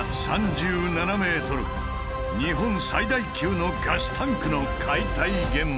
日本最大級のガスタンクの解体現場。